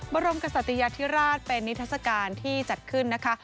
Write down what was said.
บรมกษัตยาธิราชเป็นนิทัศกาลที่จัดขึ้นนะคะ